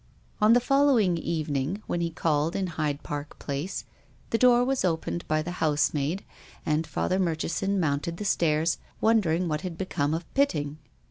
On the following evening, when he called in Hyde Park Place, the door was opened by the housemaid, and Father Murchison mounted the stairs, wondering what had become of Pitting.